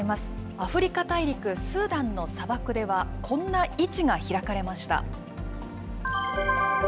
アフリカ大陸、スーダンの砂漠では、こんな市が開かれました。